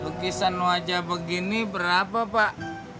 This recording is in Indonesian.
lukisan wajah begini berapa pak